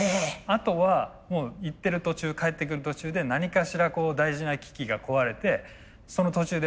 あとはもう行ってる途中帰ってくる途中で何かしら大事な機器が壊れてその途中で僕らがどういう対処をするか。